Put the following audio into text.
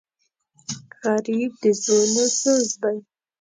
غریب د زړونو سوز دی